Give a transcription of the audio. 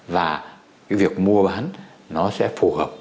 và cái việc mua bán nó sẽ phù hợp